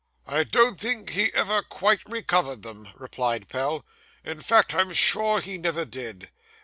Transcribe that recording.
'I don't think he ever quite recovered them,' replied Pell; 'in fact I'm sure he never did.